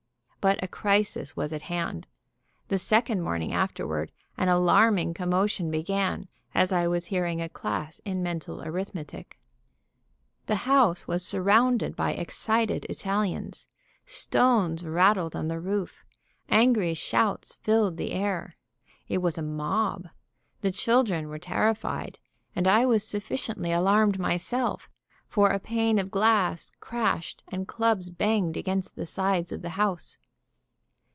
But a crisis was at hand. The second morning afterward an alarming commotion began, as I was hearing a class in mental arithmetic. The house was surrounded by excited Italians. Stones rattled on the roof. Angry shouts filled the air. It was a mob. The children were terrified, and I was sufficiently alarmed myself, for a pane of glass crashed and clubs banged against the sides of the house.